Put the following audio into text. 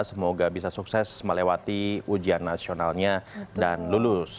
semoga bisa sukses melewati ujian nasionalnya dan lulus